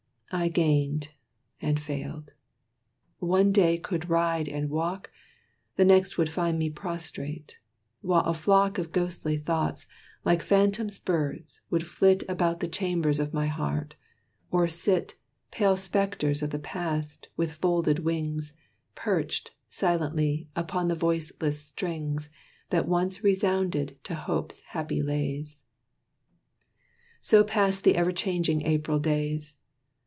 I gained, and failed. One day could ride and walk, The next would find me prostrate: while a flock Of ghostly thoughts, like phantom birds, would flit About the chambers of my heart, or sit, Pale spectres of the past, with folded wings, Perched, silently, upon the voiceless strings, That once resounded to Hope's happy lays. So passed the ever changing April days.